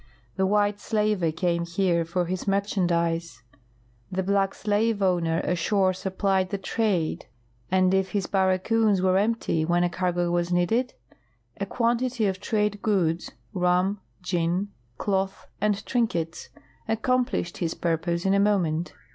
The white slaver came here for his merchandise, the black slave owner ashore supplied the trade, and if his barracoons were empty when a cargo was needed, a quantity' of trade goods — rum, gin, cloth, and trinkets— accomjjlisbed his purpose in a moment.